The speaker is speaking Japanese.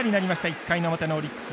１回の表のオリックス。